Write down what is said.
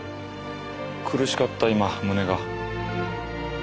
苦しかった今胸が。